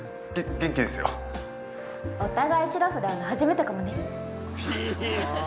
元気ですよ。お互いしらふで会うの初めてかもね。